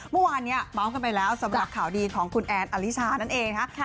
เมื่อวานนี้เมาส์กันไปแล้วสำหรับข่าวดีของคุณแอนอลิชานั่นเองนะคะ